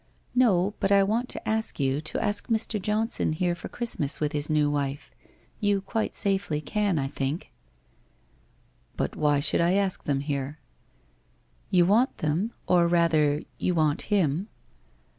'' No, but I want to ask you to ask Mr. Johnson here for Christmas with his new wife. You quite safely can, I think.' 1 But why should I ask them here ?'' You want them, or rather you want him.'